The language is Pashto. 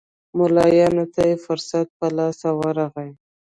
ملایانو ته یې فرصت په لاس ورغی.